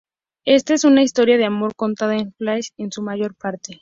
Esta es una historia de amor contada en flashback en su mayor parte.